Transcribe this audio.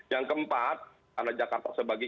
yang keempat karena jakarta sebagai